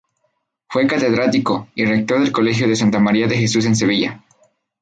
Fue catedrático y rector del Colegio de Santa María de Jesús en Sevilla.